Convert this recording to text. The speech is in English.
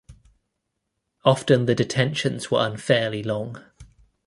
Often the detentions were unfairly long.